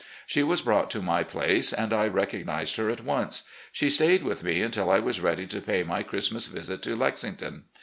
She was brought to my place and I recognised her at once. She stayed with me imtil I was ready to pay my Christmas visit to Lexington.